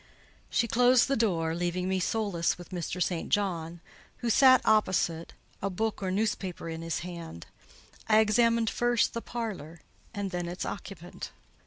She closed the door, leaving me solus with Mr. St. John, who sat opposite, a book or newspaper in his hand. I examined first, the parlour, and then its occupant.